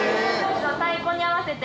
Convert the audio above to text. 太鼓に合わせて。